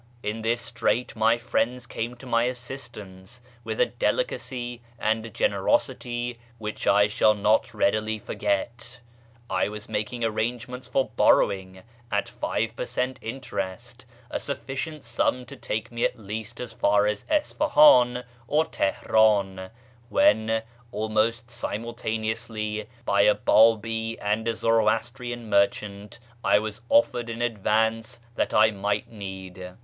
In this strait my friends came to my assistance with a delicacy and a gener osity which I shall not readily forget. I was making arrange ments for borrowing, at five per cent interest, a sufficient sum to take me at least as far as Isfahan or Teheran, when, almost simultaneously, by a Btibi and a Zoroastrian merchant, I was offered any advance that I might need.